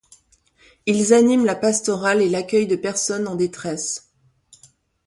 Ils animent la pastorale et l'accueil de personnes en détresse.